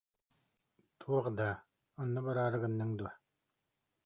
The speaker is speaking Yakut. Туох даа, онно бараары гынныҥ дуо